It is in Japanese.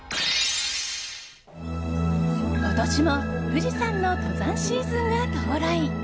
今年も富士山の登山シーズンが到来。